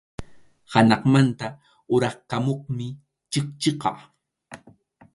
Hanaqmanta uraykamuqmi chikchiqa.